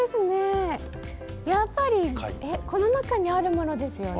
やっぱりこの中にあるものですよね。